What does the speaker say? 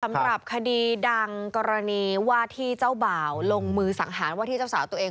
สำหรับคดีดังกรณีว่าที่เจ้าบ่าวลงมือสังหารว่าที่เจ้าสาวตัวเอง